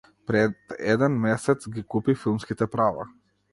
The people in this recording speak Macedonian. Пред еден месец ги купи филмските права